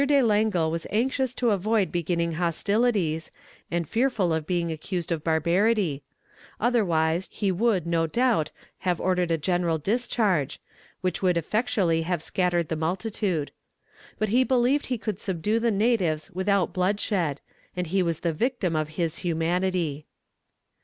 de Langle was anxious to avoid beginning hostilities, and fearful of being accused of barbarity; otherwise he would, no doubt, have ordered a general discharge, which would effectually have scattered the multitude. But he believed he could subdue the natives without bloodshed, and he was the victim of his humanity.